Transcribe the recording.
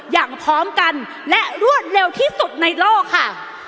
อย่างพร้อมกันและรวดเร็วที่สุดในโลกค่ะ